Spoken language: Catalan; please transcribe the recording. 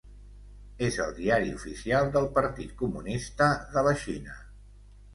És el diari oficial del Partit Comunista de la Xina.